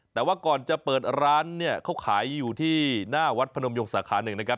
แต่ว่าก่อนจะเปิดร้านเนี่ยเขาขายอยู่ที่หน้าวัดพนมยงสาขาหนึ่งนะครับ